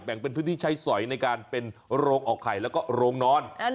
เป็นพื้นที่ใช้สอยในการเป็นโรงออกไข่แล้วก็โรงนอน